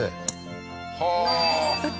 はあ。